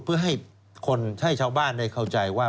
เพื่อให้คนให้ชาวบ้านได้เข้าใจว่า